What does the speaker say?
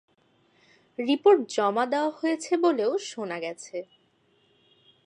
Report জমা দেওয়া হয়েছে বলেও শোনা গেছে।